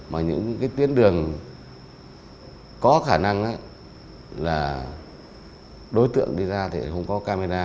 mà những cái tuyến đường có khả năng là đối tượng đi ra thì không có camera